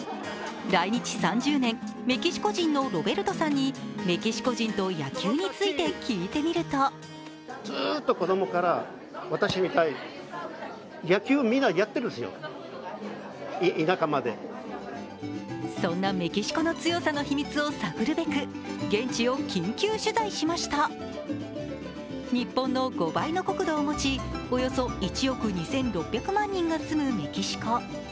来日３０年、メキシコ人のロベルトさんにメキシコ人と野球について聞いてみるとそんなメキシコの強さの秘密を探るべく、現地を緊急取材しました日本の５倍の国土を持ち、およそ１億２６００万人が住むメキシコ。